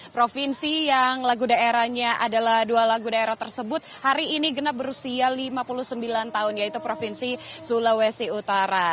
provinsi yang lagu daerahnya adalah dua lagu daerah tersebut hari ini genap berusia lima puluh sembilan tahun yaitu provinsi sulawesi utara